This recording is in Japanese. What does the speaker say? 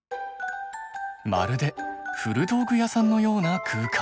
まるで古道具屋さんのような空間。